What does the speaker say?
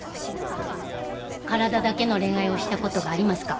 体だけの恋愛をしたことがありますか？